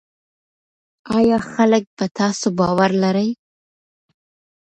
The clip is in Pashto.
آیا خلک په تاسو باور لري؟